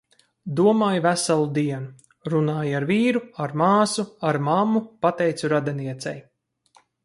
Domāju veselu dienu. Runāju ar vīru, ar māsu, ar mammu. Pateicu radiniecei.